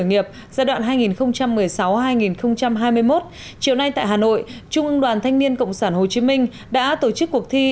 nghiệp giai đoạn hai nghìn một mươi sáu hai nghìn hai mươi một chiều nay tại hà nội trung ương đoàn thanh niên cộng sản hồ chí minh đã tổ chức cuộc thi